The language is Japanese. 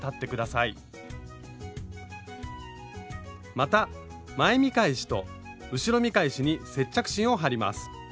また前見返しと後ろ見返しに接着芯を貼ります。